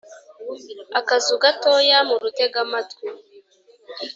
Akazu gatoya mu rutegamatwi